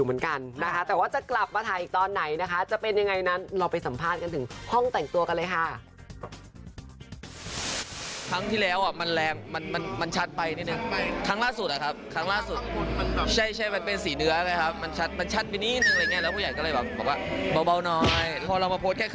เออก็เป็นตัวของตัวเองคุณผู้ชมค่ะ